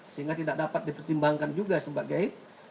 sehingga tidak dapat dipertimbangkan juga sebagai